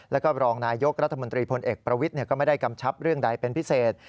แล้วก็รองนายกรัฐมนตรีพลเอกประวิทย์ก็ไม่ได้กำชับเรื่องใดเป็นพิเศษ